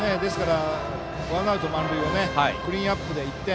ワンアウト満塁をクリーンナップで１点。